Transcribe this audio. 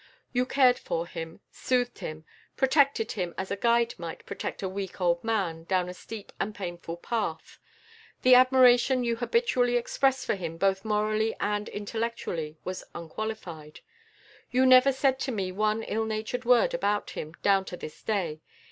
You cared for him, soothed him, protected him as a guide might protect a weak old man down a steep and painful path. The admiration you habitually expressed for him both morally and intellectually was unqualified. You never said to me one ill natured word about him down to this day.